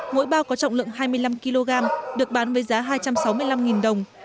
mỗi bao có trọng lượng hai mươi năm kg được bán với giá hai trăm sáu mươi năm đồng